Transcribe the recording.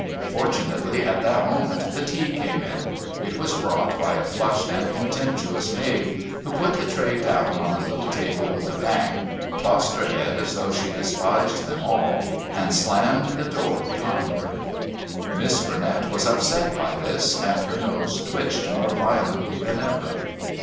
Fortunately at that moment the tea came in; it was brought by a flushed and contemptuous maid, who put the tray down on a little table with a bang, tossed her head as though she despised them all, and slammed the door behind her. Miss Burnett was upset by this, and her nose twitched more violently than ever.